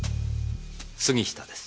杉下です。